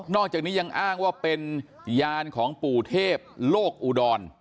อกจากนี้ยังอ้างว่าเป็นยานของปู่เทพโลกอุดร